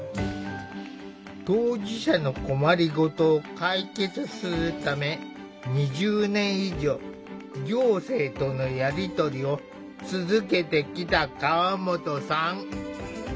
当事者の困り事を解決するため２０年以上行政とのやり取りを続けてきた河本さん。